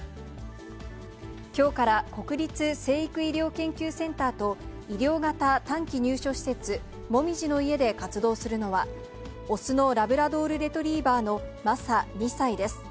きょうから国立成育医療研究センターと、医療型短期入所施設、もみじの家で活動するのは、雄のラブラドールレトリーバーのマサ２歳です。